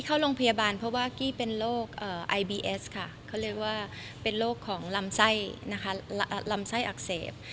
เข้าโรงพยาบาลเพราะว่ากี้เป็นโรคไอบีเอสค่ะเขาเรียกว่าเป็นโรคของลำไส้นะคะลำไส้อักเสบ